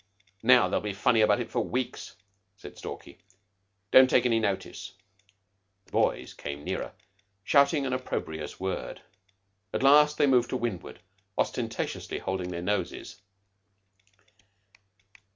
Now they'll be funny about it for weeks," said Stalky. "Don't take any notice." The boys came nearer, shouting an opprobrious word. At last they moved to windward, ostentatiously holding their noses.